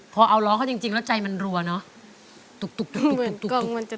พอเอาร้องเขาจริงแล้วใจมันรัวเนอะ